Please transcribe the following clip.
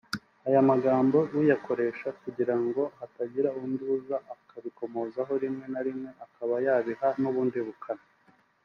Aya magambo uyakoresha kugirango hatagira undi uza akabikomozaho rimwe na rimwe akaba yabiha n’ubundi bukana